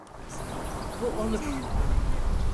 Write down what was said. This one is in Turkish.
Bu olur.